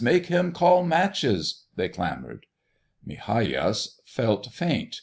make him call matches!" they clamored. Migajas felt faint.